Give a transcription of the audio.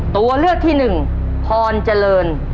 ตัวเลือกที่หนึ่งพรเจริญ